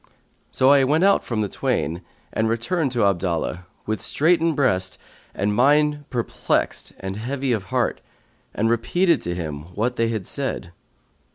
So I went out from the twain and returned to Abdallah, with straitened breast and mind perplexed and heavy of heart, and repeated to him what they had said.